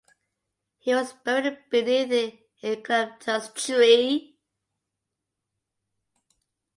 He was buried beneath an eucalyptus tree.